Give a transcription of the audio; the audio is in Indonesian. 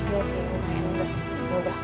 gak sih entar entar